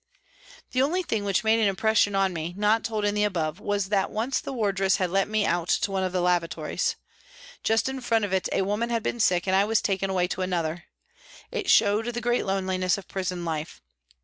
The only thing which made an impression on me, not told in the above, was that once the wardress led me out to one of the lavatories. Just in front of it a woman had been sick, and I was taken away to another. It showed the great loneliness of prison life.